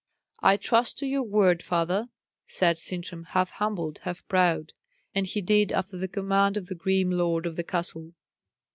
"I trust to your word, father," said Sintram, half humble, half proud; and he did after the command of the grim lord of the castle.